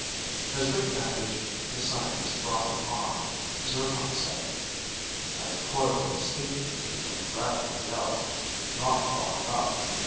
As Rick bandaged the scientist's brawny arm, Zircon said, "I recoiled instinctively when Bradley yelled. But not far enough.